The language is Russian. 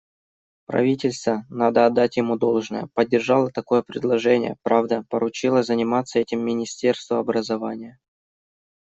Правительство, надо отдать ему должное, поддержало такое предложение, правда, поручило заниматься этим Министерству образования.